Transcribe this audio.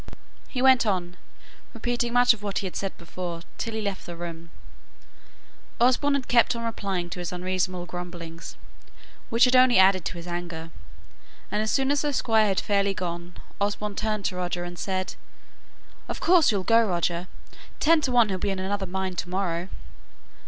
He went on repeating much of what he had said before, till he left the room. Osborne had kept on replying to his unreasonable grumblings, which had only added to his anger; and as soon as the Squire was fairly gone, Osborne turned to Roger, and said, "Of course you'll go, Roger? ten to one he'll be in another mind to morrow."